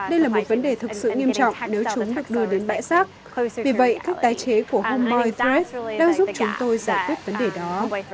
đây là một vấn đề thật sự nghiêm trọng nếu chúng được đưa đến bãi xác vì vậy các tái chế của homeboy trust đang giúp chúng tôi giải quyết vấn đề đó